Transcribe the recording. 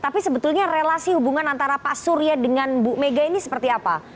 tapi sebetulnya relasi hubungan antara pak surya dengan bu mega ini seperti apa